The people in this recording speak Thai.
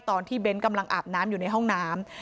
ตอนที่เบ้นกำลังอาบน้ำอยู่ในห้องน้ำ